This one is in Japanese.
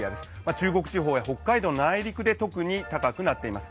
中国地方や北海道の内陸で特に高くなっています。